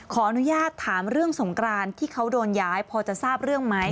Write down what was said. ขออนุญาตถามเรื่องสงกรานที่เขาโดนย้ายพอจะทราบเรื่องไหม